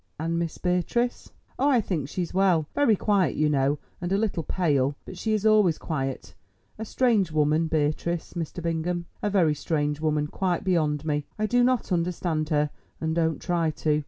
"And Miss Beatrice?" "Oh, I think she's well—very quiet, you know, and a little pale, perhaps; but she is always quiet—a strange woman Beatrice, Mr. Bingham, a very strange woman, quite beyond me! I do not understand her, and don't try to.